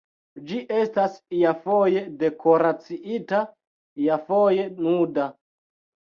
Ĝi estas iafoje dekoraciita, iafoje nuda.